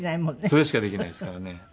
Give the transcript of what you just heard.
それしかできないですからね。